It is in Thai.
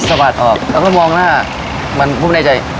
แล้วผมก็มองหน้ามันคงไม่น่าใจ